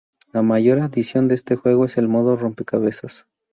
La mayor adición de este juego es el Modo Rompecabezas.